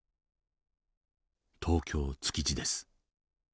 東京・築地です。